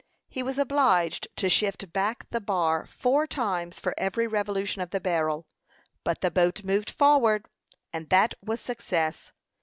He was obliged to shift back the bar four times for every revolution of the barrel. But the boat moved forward, and that was success.